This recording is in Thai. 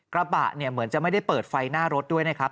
กระบะเนี่ยเหมือนจะไม่ได้เปิดไฟหน้ารถด้วยนะครับ